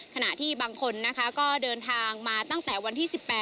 ขณะที่บางคนนะคะก็เดินทางมาตั้งแต่วันที่๑๘